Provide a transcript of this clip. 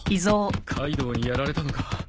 カイドウにやられたのか。